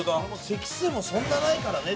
席数もそんなにないからね